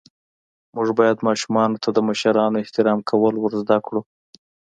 موږ باید ماشومانو ته د مشرانو احترام کول ور زده ڪړو.